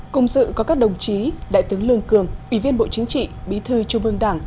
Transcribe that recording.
cùng dự có các đồng chí đại tướng lương cường ủy viên bộ chính trị bí thư trung ương đảng